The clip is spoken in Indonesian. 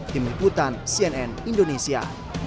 tim liputan cnn indonesia